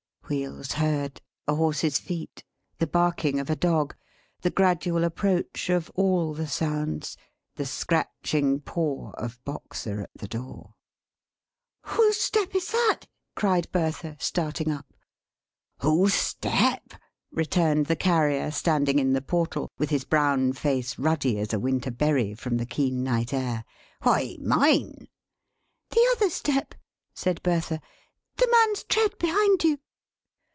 Wheels heard. A horse's feet. The barking of a dog. The gradual approach of all the sounds. The scratching paw of Boxer at the door! "Whose step is that!" cried Bertha, starting up. "Whose step?" returned the Carrier, standing in the portal, with his brown face ruddy as a winter berry from the keen night air. "Why, mine." "The other step," said Bertha. "The man's tread behind you!"